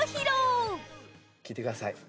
聴いてください。